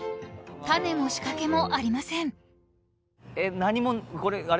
［種も仕掛けもありません］